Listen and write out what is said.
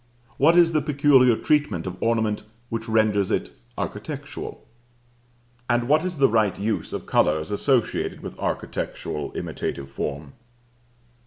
What is the peculiar treatment of ornament which renders it architectural? and what is the right use of color as associated with architectural imitative form?